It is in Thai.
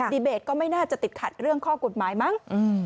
เบตก็ไม่น่าจะติดขัดเรื่องข้อกฎหมายมั้ง